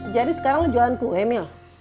jadi sekarang lo jualan kue mil